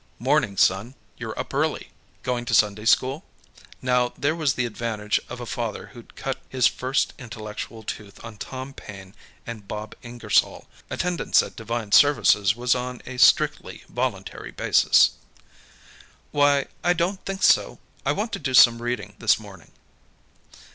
"'Morning, son. You're up early. Going to Sunday school?" Now there was the advantage of a father who'd cut his first intellectual tooth on Tom Paine and Bob Ingersoll; attendance at divine services was on a strictly voluntary basis. "Why, I don't think so; I want to do some reading, this morning."